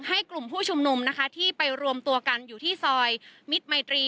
กลุ่มผู้ชุมนุมนะคะที่ไปรวมตัวกันอยู่ที่ซอยมิตรมัยตรี